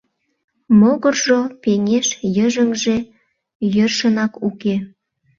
Могыржо пеҥеш, йыжыҥже йӧршынак уке.